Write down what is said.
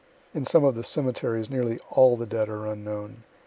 (In some of the cemeteries nearly all the dead are unknown.